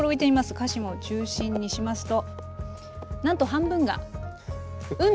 鹿嶋を中心にしますとなんと半分が海！